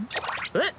えっ？